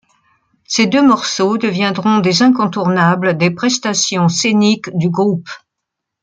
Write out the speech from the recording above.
Ces deux morceaux deviendront des incontournables des prestations scéniques du groupe.